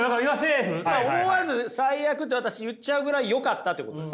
思わず「最悪」って私言っちゃうぐらいよかったってことです。